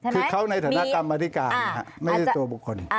คือเขาในฐานะกรรมธิการไม่ใช่ตัวบุคคล